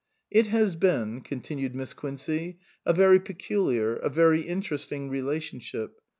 " It has been," continued Miss Quincey, " a very peculiar, a very interesting relationship.